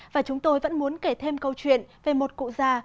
và chúng tôi vẫn muốn kể thêm câu chuyện về một cụ già